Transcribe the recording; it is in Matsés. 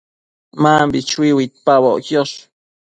Mambi chui uidpaboc quiosh